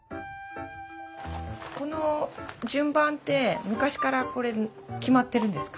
この順番って昔からこれ決まってるんですか？